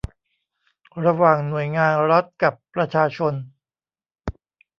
ระหว่างหน่วยงานรัฐกับประชาชน